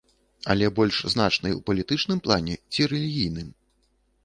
Але больш значнай у палітычным плане ці рэлігійным?